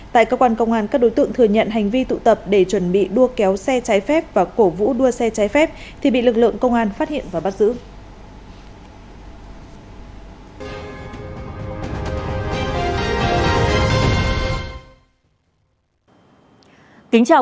tại cơ quan công an các đối tượng thừa nhận hành vi tụ tập để chuẩn bị đua kéo xe trái phép và cổ vũ đua xe trái phép thì bị lực lượng công an phát hiện và bắt giữ